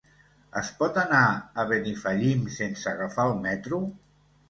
Es pot anar a Benifallim sense agafar el metro?